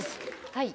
はい。